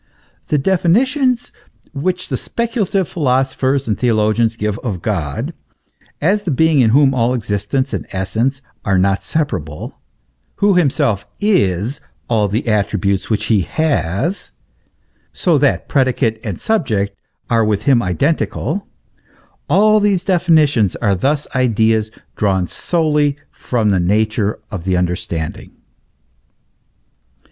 The definitions which the speculative philosophers and theologians give of God, as the being in whom existence and essence are not separable, who himself is all the attributes which he has, so that predicate and subject are with him identical, all these definitions are thus ideas drawn solely from the nature of the understanding.